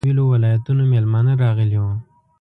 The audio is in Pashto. له بېلابېلو ولایتونو میلمانه راغلي وو.